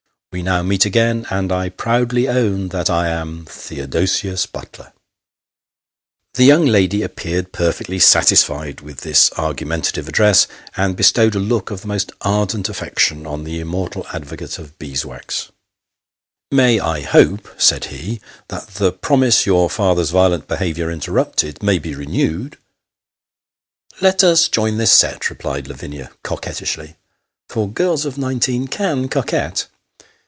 We now meet again, and I proudly own that I am Theodosius Butler." The young lady appeared perfectly satisfied with this argumentative address, and bestowed a look of the most ardent affection on the immortal advocate of bees' wax. " May I hope," said he, " that the promise your father's violent behaviour interrupted, may be renewed V " "Let us join this set," replied Lavinia, coquettishly for girls of nineteen can coquette.